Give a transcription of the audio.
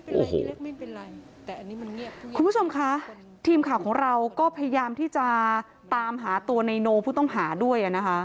คุณผู้ชมคะทีมข่าวของเราก็พยายามที่จะตามหาตัวในโนผู้ต้องหาด้วย